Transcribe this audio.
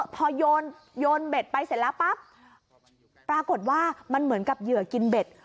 พอโยนเบ็ดไปเสร็จแล้วปั๊บปรากฏว่ามันเหมือนกับเหยื่อกินเบ็ด